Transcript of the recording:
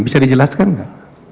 bisa dijelaskan gak